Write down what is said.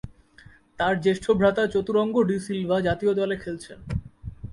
তার জ্যেষ্ঠ ভ্রাতা চতুরঙ্গ ডি সিলভা জাতীয় দলে খেলছেন।